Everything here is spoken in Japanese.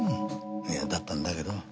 いやだったんだけど。